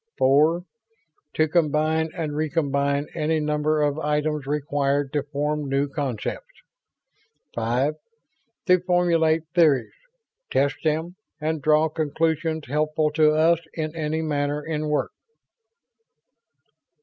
Four, to combine and recombine any number of items required to form new concepts. Five, to formulate theories, test them and draw conclusions helpful to us in any matter in work."